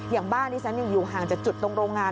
อย่างบ้านที่ฉันอยู่ห่างจากจุดตรงโรงงาน